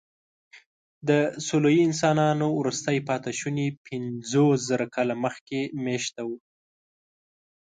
د سولويي انسانانو وروستي پاتېشوني پنځوسزره کاله مخکې مېشته وو.